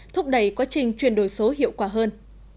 thúc đẩy quá trình chuyển đổi số hiệu quả hơn